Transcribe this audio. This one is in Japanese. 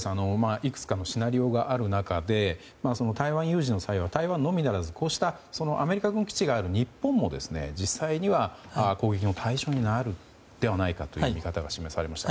いくつかのシナリオがある中で台湾有事の際は台湾のみならずアメリカ軍基地がある日本も実際には攻撃の対象になるのではないかという見方が示されました。